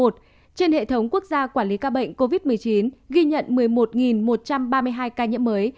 trên hệ thống quốc gia quản lý ca bệnh covid một mươi chín ghi nhận một mươi một một trăm ba mươi hai ca nhiễm mới